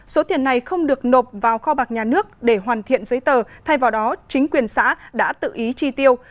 số tiền này không được nộp vào kho bạc nhà nước để hoàn thiện giấy tờ thay vào đó chính quyền xã đã tự ý chi tiêu